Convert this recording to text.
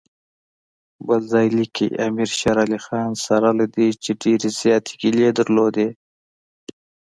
بل ځای لیکي امیر شېر علي سره له دې چې ډېرې زیاتې ګیلې درلودې.